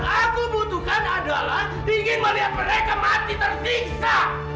aku butuhkan mereka untuk melihat mereka mati dan terfiksa